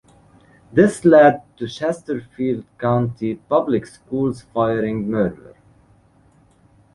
This led to Chesterfield County Public Schools firing Murmer.